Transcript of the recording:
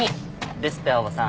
ですって青羽さん。